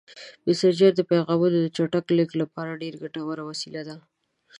مسېنجر د پیغامونو د چټک لیږد لپاره ډېره ګټوره وسیله ده.